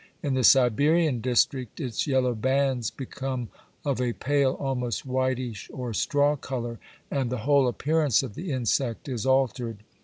In the Siberian district its yellow bands become of a pale, almost whitish or straw colour, and the whole appearance of the insect is altered.